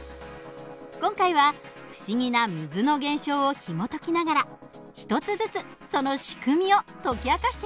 今回は不思議な水の現象をひもときながら一つずつその仕組みを解き明かしていきましょう。